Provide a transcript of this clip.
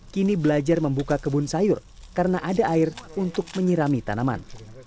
kini belajar membuka kebun sayur karena ada air untuk menyirami tanaman